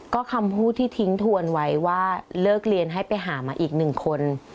ก็คำพูดที่ทิ้งทวนไว้ว่าเลิกเรียนให้ไปหามาอีกหนึ่งคน